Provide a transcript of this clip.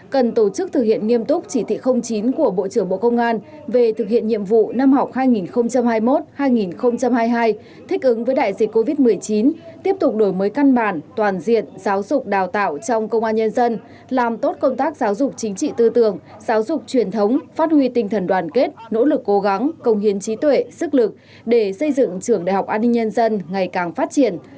cần tổ chức thực hiện nghiêm túc chỉ thị chín của bộ trưởng bộ công an về thực hiện nhiệm vụ năm học hai nghìn hai mươi một hai nghìn hai mươi hai thích ứng với đại dịch covid một mươi chín tiếp tục đổi mới căn bản toàn diện giáo dục đào tạo trong công an nhân dân làm tốt công tác giáo dục chính trị tư tưởng giáo dục truyền thống phát huy tinh thần đoàn kết nỗ lực cố gắng công hiến trí tuệ sức lực để xây dựng trường đại học an ninh nhân dân ngày càng phát triển